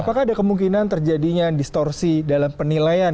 apakah ada kemungkinan terjadinya distorsi dalam penilaian